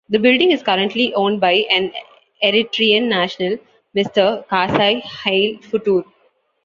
The building is currently owned by an Eritrean national, Mr. Kahsai Haile Futur.